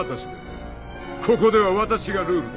ここではわたしがルールです。